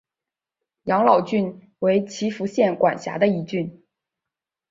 养老郡为岐阜县管辖的一郡。